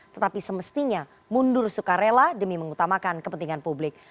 tetapi semestinya mundur sukarela demi mengutamakan kepentingan publik